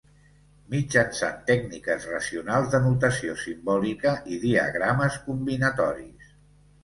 Mitjançant tècniques racionals de notació simbòlica i diagrames combinatoris.